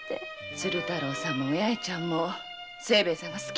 鶴太郎さんもお八重ちゃんも清兵衛さんが好きなんですね。